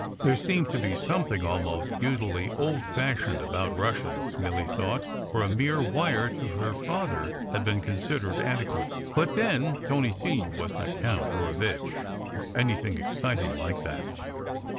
There seemed to be something almost feudally old fashioned about Russians, Milly thought, for a mere wire to her father had been considered adequate. But then, Tony Senior wasn t a count or a "vitch," or any thing exciting like that.